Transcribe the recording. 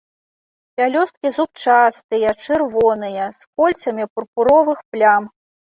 Пялёсткі зубчастыя, чырвоныя, з кольцам пурпуровых плям.